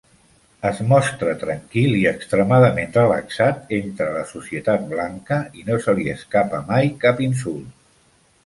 Es mostra tranquil i extremadament relaxat entre la societat blanca, i no se li escapa mai cap insult.